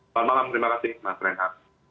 selamat malam terima kasih mas renhat